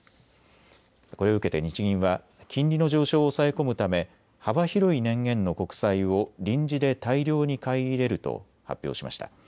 これを受けて日銀は金利の上昇を抑え込むため、幅広い年限の国債を臨時で大量に買い入れると発表しました。